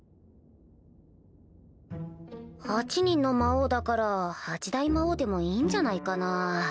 ８人の魔王だから八大魔王でもいいんじゃないかな